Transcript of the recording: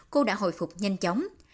cô đã hồi phục nhanh chóng